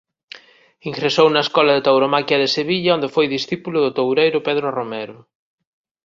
Ingresou na Escola de Tauromaquia de Sevilla onde foi discípulo do toureiro Pedro Romero.